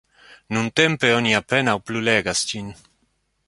Nuntempe oni apenaŭ plu legas ĝin.